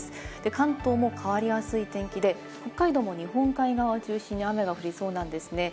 関東も変わりやすい天気で、北海道も日本海側を中心に雨が降りそうなんですね。